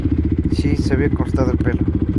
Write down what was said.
Sí, se había cortado el pelo.